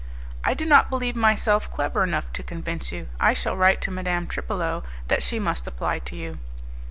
"I do not believe myself clever enough to convince you. I shall write to Madame Tripolo that she must apply to you."